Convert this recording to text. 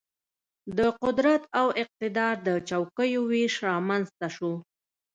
د قدرت او اقتدار د چوکیو وېش رامېنځته شو.